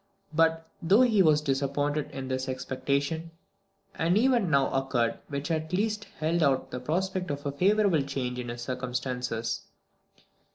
But though he was disappointed in this expectation, an event now occurred which at least held out the prospect of a favourable change in his circumstances.